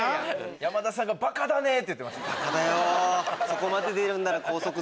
山田さんが「バカだね」って言ってましたね。